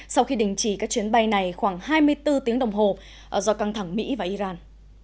sau khi đình chỉ các chuyến bay này khoảng hai mươi bốn tiếng đồng hồ do căng thẳng mỹ và iran